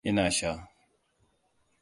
Ina sha.